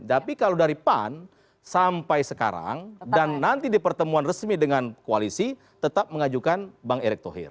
tapi kalau dari pan sampai sekarang dan nanti di pertemuan resmi dengan koalisi tetap mengajukan bang erick thohir